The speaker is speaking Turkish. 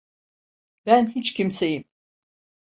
Ben hiç kimseyim.